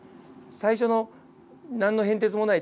最初の何の変哲もない